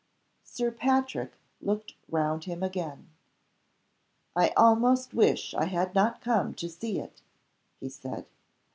Sir Patrick looked round him again. "I almost wish I had not come to see it," he said.